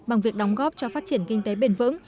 bằng việc đóng góp cho phát triển kinh tế bền vững